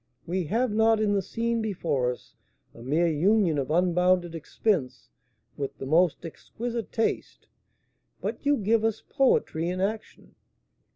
We have not in the scene before us a mere union of unbounded expense with the most exquisite taste, but you give us poetry in action.